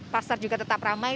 pasar juga tetap ramai